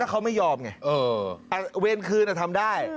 เขาไม่ยอมไงเวรคืนทำได้